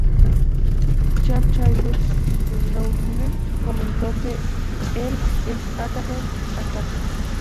Chad Childers de "Loudwire" comentó que "el ex-Attack Attack!